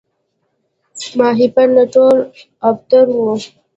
ماهیپر نه ټول ابتر وو